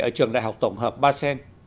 ở trường đại học tổng hợp ba sen